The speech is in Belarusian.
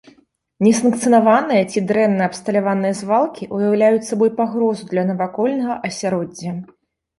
Несанкцыянаваныя ці дрэнна абсталяваныя звалкі ўяўляюць сабой пагрозу для навакольнага асяроддзя.